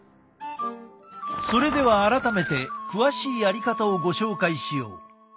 それでは改めて詳しいやり方をご紹介しよう。